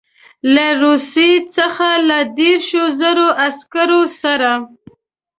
له روسیې څخه له دېرشو زرو عسکرو سره.